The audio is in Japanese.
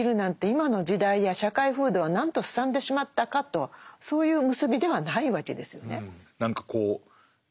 今の時代や社会風土はなんとすさんでしまったかとそういう結びではないわけですよね。